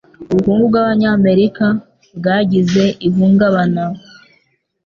Ubukungu bwabanyamerika bwagize ihungabana.